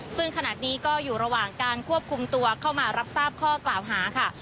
ซึ่งขณะนี้ก็อยู่ระหว่างการควบคุมตัวเข้ามารับทราบข้อกล่าวหาค่ะ